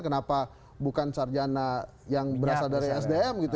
kenapa bukan sarjana yang berasal dari sdm gitu